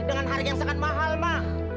dengan harga yang sangat mahal pak